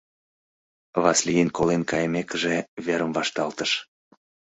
Васлийын колен кайымекыже верым вашталтыш.